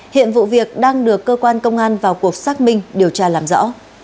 hiện vụ việc đang được cơ quan công an vào cuộc xác minh điều tra làm rõ